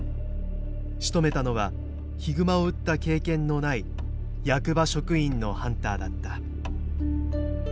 しとめたのはヒグマを撃った経験のない役場職員のハンターだった。